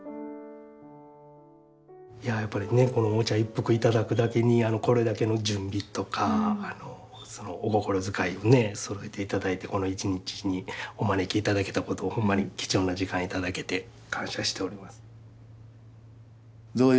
やっぱりねお茶一服いただくだけにこれだけの準備とかお心遣いをそろえていただいてこの一日にお招きいただけたことをほんまに貴重な時間いただけて感謝しております。